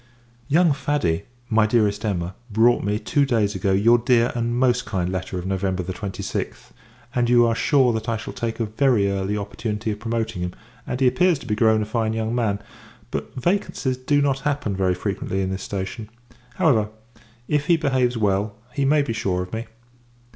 Young Faddy, my Dearest Emma, brought me, two days ago, your dear and most kind letter of November 26th, and you are sure that I shall take a very early opportunity of promoting him; and he appears to be grown a fine young man, but vacancies do not happen very frequently in this station. However, if he behaves well, he may be sure of me.